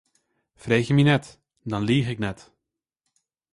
Freegje my net, dan liich ik net.